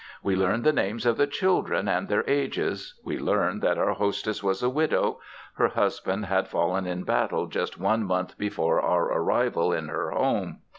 We learned the names of the children and their ages. We learned that our hostess was a widow. Her husband had fallen in battle just one month before our arrival in her home.